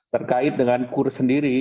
terkait dengan kur sendiri